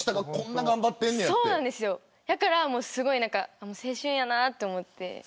だから青春やなと思って。